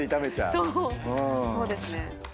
そうですね。